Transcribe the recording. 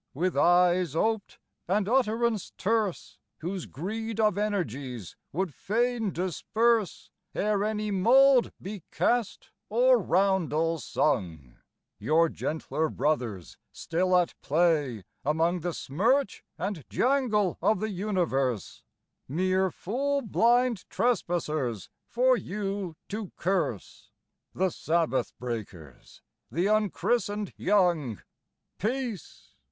with eyes oped and utterance terse, Whose greed of energies would fain disperse Ere any mould be cast, or roundel sung, Your gentler brothers still at play among The smirch and jangle of the universe, Mere fool blind trespassers for you to curse, The Sabbath breakers, the unchristened young; Peace!